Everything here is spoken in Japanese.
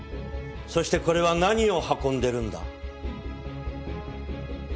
そしてこれは何を運んでるんだ？